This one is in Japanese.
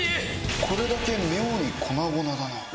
これだけ妙に粉々だな。